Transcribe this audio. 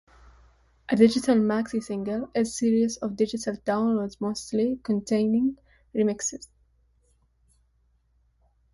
A digital maxi single is a series of digital downloads mostly containing remixes.